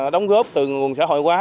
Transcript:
đóng góp từ nguồn xã hội quá